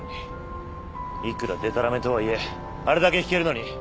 いくらでたらめとはいえあれだけ弾けるのに。